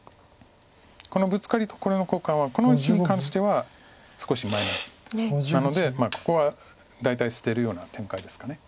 このブツカリとこれの交換はこの石に関しては少しマイナスなのでここは大体捨てるような展開ですかね。